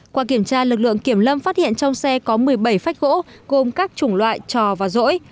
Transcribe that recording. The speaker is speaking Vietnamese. qua kiểm tra lực lượng kiểm lâm phát hiện trong xe có một mươi bảy phách gỗ gồm các chủng loại trò và rỗi